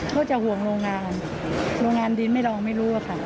ก็จะห่วงโรงงานโรงงานดินไม่ลองไม่รู้อะค่ะ